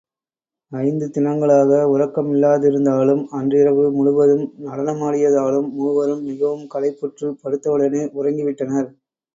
ஐந்து தினங்களாக உறக்கமில்லாதிருந்ததாலும், அன்றிரவு முழுவதும் நடனமாடியதாலும் மூவரும் மிகவும் களைப்புற்றுப் படுத்தவுடனே உறங்கி விட்டனர்.